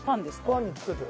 パンにつけて。